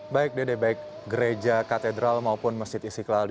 baik dede baik gereja katedral maupun masjid istiqlal